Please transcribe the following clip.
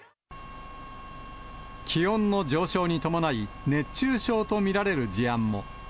気温の上昇に伴い、熱中症と見られる事案も。